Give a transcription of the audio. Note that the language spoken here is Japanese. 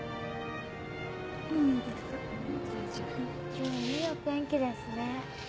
今日はいいお天気ですね。